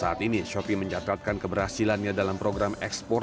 saat ini shopee mencatatkan keberhasilannya dalam program ekspor